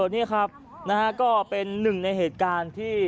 นี่ครับนะฮะก็เป็นหนึ่งในเหตุการณ์ที่